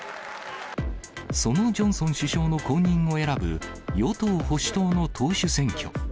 そのジョンソン首相の後任を選ぶ与党・保守党の党首選挙。